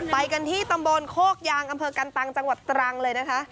ไปกันที่ตำบลโคกยางอำเภอกันตังจังหวัดตรังเลยนะคะ